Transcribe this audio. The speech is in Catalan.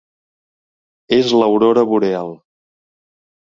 És l'aurora boreal.